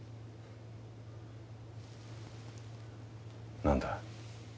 何だ。